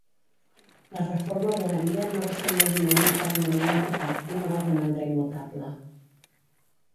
La Reforma bohèmia no va ser un moviment internament unificat i no va romandre immutable.